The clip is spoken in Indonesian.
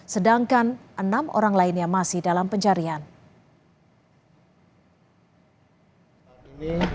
sedangkan enam orang lainnya masih dalam pencarian